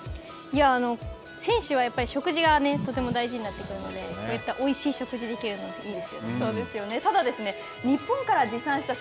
選手はやっぱり食事がとても大事になってくるので、こういったおいしい食事ができるのはいいですね。